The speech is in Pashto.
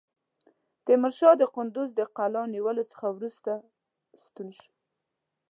تیمورشاه کندوز د قلا نیولو څخه وروسته ستون شو.